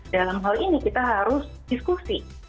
dalam hal ini kita harus diskusi